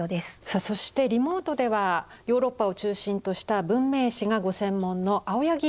さあそしてリモートではヨーロッパを中心とした文明史がご専門の青柳正規さんとつながっています。